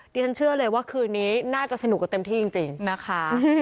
ฉันเชื่อเลยว่าคืนนี้น่าจะสนุกกันเต็มที่จริงนะคะ